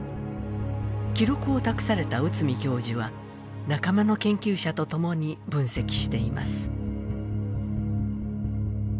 記録を託された内海教授は仲間の研究者と共に分析しています。